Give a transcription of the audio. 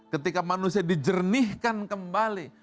ketika manusia dijernihkan kembali